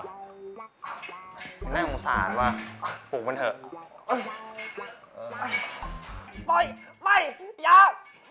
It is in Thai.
มันแม่อุงสารวะปลูกมันเหอะ